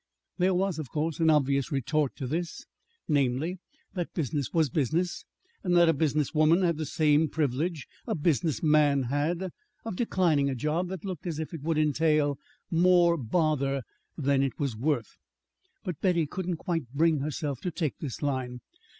There was, of course, an obvious retort to this; namely, that business was business, and that a business woman had the same privilege a business man had, of declining a job that looked as if it would entail more bother than it was worth. But Betty couldn't quite bring herself to take this line.